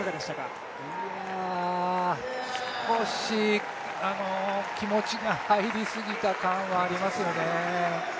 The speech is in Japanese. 少し気持ちが入りすぎた感はありますよね。